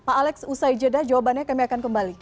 pak alex usai jeda jawabannya kami akan kembali